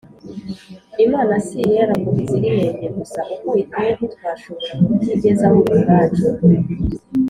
Imana si Iyera ngo Izire inenge gusa (uko iteye ntitwashobora kubyigezaho ku bwacu)